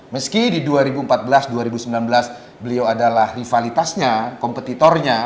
meski di dua ribu empat belas dua ribu sembilan belas beliau adalah rivalitasnya kompetitornya